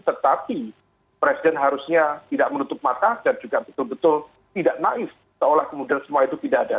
tetapi presiden harusnya tidak menutup mata dan juga betul betul tidak naif seolah kemudian semua itu tidak ada